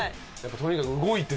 とにかく動いてずっと。